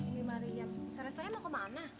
eh ilimariam sore sore ma kemana